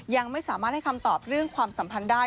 ยังไม่สามารถให้คำตอบเรื่องความสัมพันธ์ได้